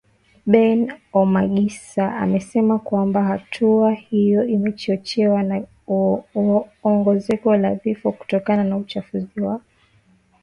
Bain Omugisa amesema kwamba hatua hiyo imechochewa na ongezeko la vifo kutokana na uchafuzi wa hewa ulimwenguni.